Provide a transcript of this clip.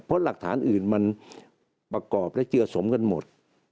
เพราะหลักฐานอื่นมันประกอบและเจือสมกันหมด